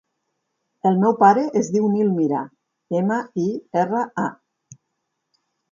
El meu pare es diu Nil Mira: ema, i, erra, a.